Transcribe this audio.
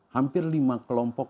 hampir lima kelompok